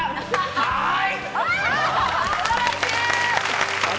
はい！